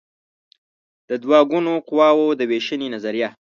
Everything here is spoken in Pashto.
د دوه ګونو قواوو د وېشنې نظریه